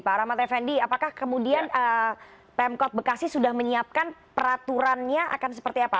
pak rahmat effendi apakah kemudian pemkot bekasi sudah menyiapkan peraturannya akan seperti apa